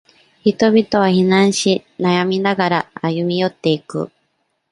人々は非難し、悩みながら、歩み寄っていく。